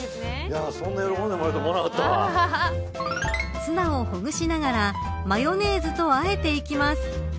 ツナをほぐしながらマヨネーズとあえていきます。